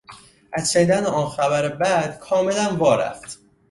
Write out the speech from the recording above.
از شنیدن آن خبر بد کاملا وا رفت.